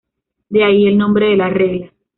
De ahí, el nombre de la regla.